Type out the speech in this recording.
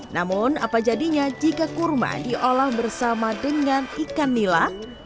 namun apa jadinya jika kurma diolah bersama dengan ikan nila